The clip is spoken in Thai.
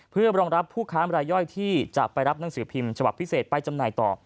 เพื่อรองรับผู้ค้ามรายย่อยที่จะไปรับหนังสือพิมพ์ฉบับพิเศษไปจำหน่ายต่อ